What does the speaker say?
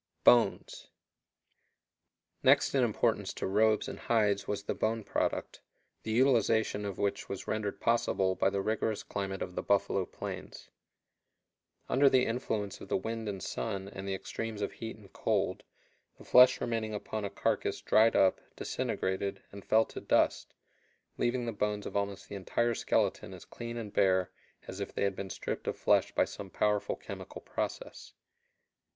Bones. Next in importance to robes and hides was the bone product, the utilization of which was rendered possible by the rigorous climate of the buffalo plains. Under the influence of the wind and sun and the extremes of heat and cold, the flesh remaining upon a carcass dried up, disintegrated, and fell to dust, leaving the bones of almost the entire skeleton as clean and bare as if they had been stripped of flesh by some powerful chemical process.